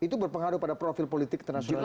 itu berpengaruh pada profil politik internasional